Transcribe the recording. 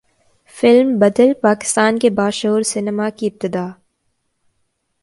film بدل پاکستان کے باشعور سینما کی ابتدا